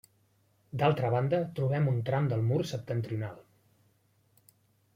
D'altra banda, trobem un tram del mur septentrional.